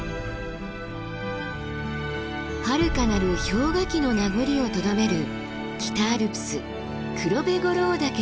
はるかなる氷河期の名残をとどめる北アルプス黒部五郎岳です。